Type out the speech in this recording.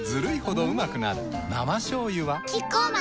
生しょうゆはキッコーマン